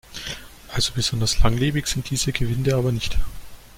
Also besonders langlebig sind diese Gewinde aber nicht.